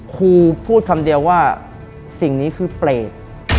ครูพูดคำเดียวว่าสิ่งนี้คือเปรต